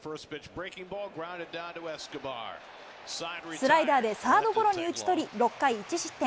スライダーでサードゴロに打ち取り、６回１失点。